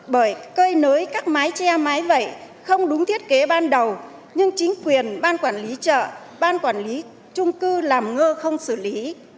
bởi cơi nới các mái tre mái vậy không đúng thiết kế ban đầu nhưng chính quyền ban quản lý chợ ban quản lý trung cư làm ngơ không xử lý